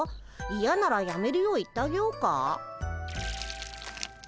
いやならやめるよう言ってあげようか？